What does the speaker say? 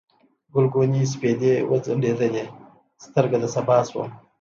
ګلګونې سپېدې وڅنډلې، سترګه د سبا شوم